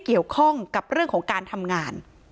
เกี่ยวข้องกับเรื่องของการทำงาน